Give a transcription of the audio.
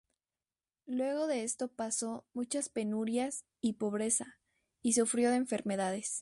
Luego de esto pasó muchas penurias y pobreza y sufrió de enfermedades.